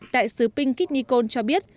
đại sứ pinky nikon cho biết